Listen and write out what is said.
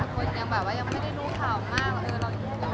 คนยังบอกว่ายังไม่ได้รู้ข่าวมากเลย